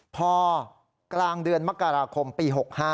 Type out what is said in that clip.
พอกลางเดือนมกราคมปี๖๕